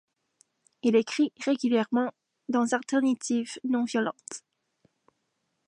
Il écrit régulièrement dans Alternatives non-violentes.